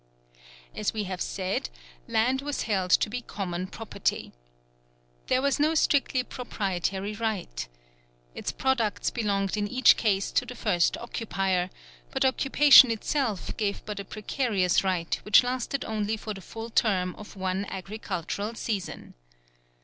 As we have said, land was held to be common property. There was no strictly proprietary right. Its products belonged in each case to the first occupier; but occupation itself gave but a precarious right which lasted only for the full term of one agricultural season.